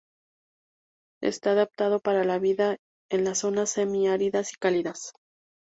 Está adaptado para la vida en las zonas semi-áridas y cálidas.